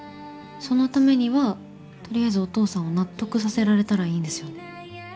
そのためにはとりあえずお父さんを納得させられたらいいんですよね。